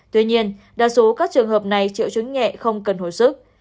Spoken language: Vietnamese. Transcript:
tuy nhiên đa số các trường hợp này triệu chứng nhẹ không cần hồi sức